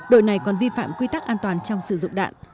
đội này còn vi phạm quy tắc an toàn trong sử dụng đạn